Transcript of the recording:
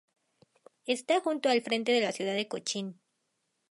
Está justo al frente de la ciudad de Cochín.